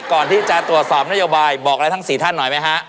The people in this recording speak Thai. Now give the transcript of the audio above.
ก่อนที่จะตรวจสอบนโยบายบอกอะไรทั้ง๔ท่านหน่อยไหมฮะ